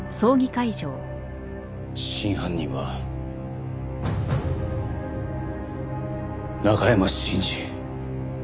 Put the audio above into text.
真犯人は中山信二。